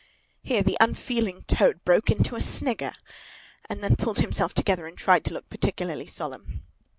Here the unfeeling Toad broke into a snigger, and then pulled himself together and tried to look particularly solemn.